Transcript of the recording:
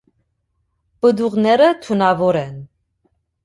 Պտուղները թունավոր են։